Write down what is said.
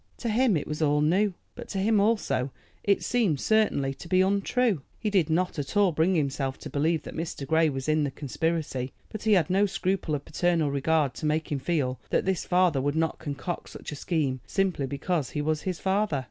To him it was all new, but to him, also, it seemed certainly to be untrue. He did not at all bring himself to believe that Mr. Grey was in the conspiracy, but he had no scruple of paternal regard to make him feel that this father would not concoct such a scheme simply because he was his father.